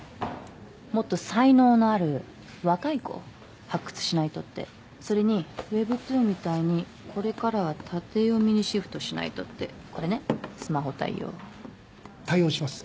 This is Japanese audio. もっと才能のある若い子を発掘しないとってそれにウェブトゥーンみたいにこれからは縦読みにシフトしないとってこれねスマホ対応の対応します